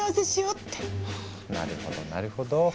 なるほどなるほど。